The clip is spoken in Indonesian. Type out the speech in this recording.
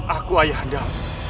aku ayah andal